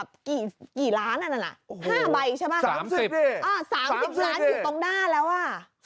๕ใบใช่ไหม๓๐เนี่ย